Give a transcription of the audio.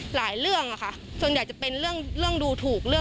หลายเรื่องค่ะส่วนใหญ่จะเป็นเรื่องดูถูก